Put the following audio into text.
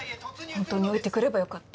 ホントに置いてくればよかった